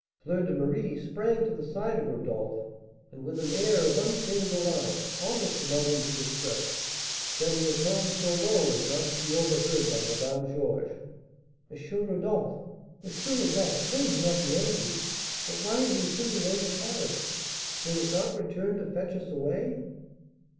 Fleur de Marie sprang to the side of Rodolph, and with an air of unfeigned alarm, almost amounting to distress, said, in a tone so low as not to be overheard by Madame Georges: "M. Rodolph! M. Rodolph! pray do not be angry, but why have you sent away the carriage? Will it not return to fetch us away?"